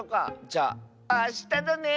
じゃあしただね！